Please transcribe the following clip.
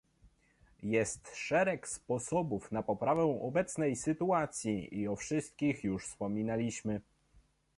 Jest szereg sposobów na poprawę obecnej sytuacji i o wszystkich już wspominaliśmy